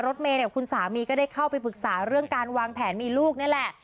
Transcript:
เมย์เนี่ยคุณสามีก็ได้เข้าไปปรึกษาเรื่องการวางแผนมีลูกนี่แหละ